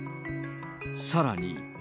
さらに。